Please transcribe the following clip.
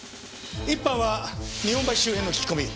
一班は日本橋周辺の聞き込み。